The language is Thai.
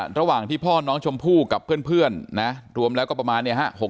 ระหว่างที่พ่อน้องชมพู่กับเพื่อนนะรวมแล้วก็ประมาณเนี่ยฮะ